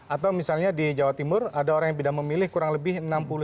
atau misalnya di jawa timur ada orang yang tidak memilih kurang lebih enam puluh